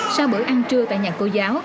sau bữa ăn trưa tại nhà cô giáo